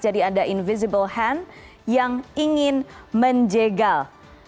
jadi ada invisible hand yang ingin menjegal